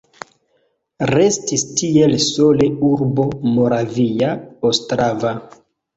Restis tiel sole urbo Moravia Ostrava.